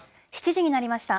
７時になりました。